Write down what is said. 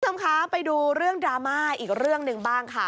สำคัญไปดูเรื่องดราม่าอีกเรื่องนึงบ้างค่ะ